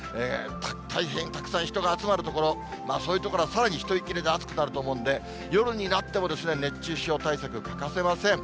大変たくさん人が集まる所、そういう所はさらにひといきれで暑くなると思うんで、夜になっても熱中症対策欠かせません。